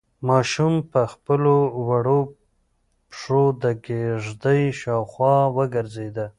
ماشوم په خپلو وړو پښو د کيږدۍ شاوخوا وګرځېد.